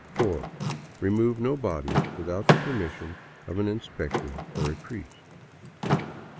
4. Remove no bodies without the permission of an inspector or a priest."